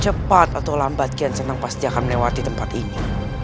cepat atau lambat kian senang pasti akan melewati tempat ini